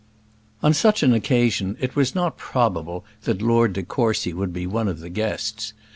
On such an occasion it was not probable that Lord de Courcy would be one of the guests.